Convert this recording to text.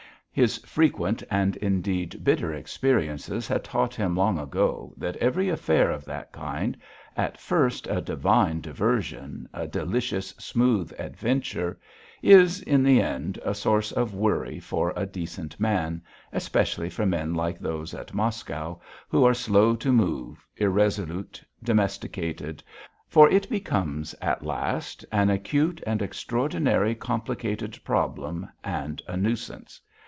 His frequent, and, indeed, bitter experiences had taught him long ago that every affair of that kind, at first a divine diversion, a delicious smooth adventure, is in the end a source of worry for a decent man, especially for men like those at Moscow who are slow to move, irresolute, domesticated, for it becomes at last an acute and extraordinary complicated problem and a nuisance.